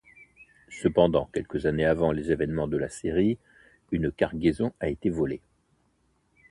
Cependant, quelques années avant les événements de la série, une cargaison a été volé.